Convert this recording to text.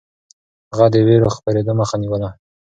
هغه د وېرو خپرېدو مخه نيوله.